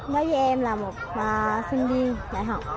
đối với em là một sinh viên đại học